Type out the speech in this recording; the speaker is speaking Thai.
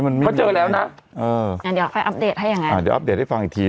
เขาเจอแล้วนะเอออ่ะเดี๋ยวอัปเดตให้ฟังอีกทีนะอ่ะเดี๋ยวอัปเดตให้ฟังอีกทีนะ